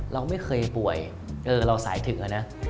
เราไม่เคยป่วยเราสายถึงอะนะ